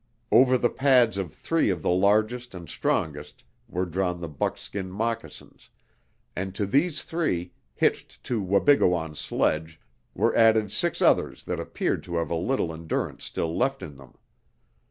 Over the pads of three of the largest and strongest were drawn the buckskin moccasins, and to these three, hitched to Wabigoon's sledge, were added six others that appeared to have a little endurance still left in them.